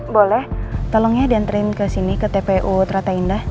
boleh tolong ya di anterin kesini ke tpu terata indah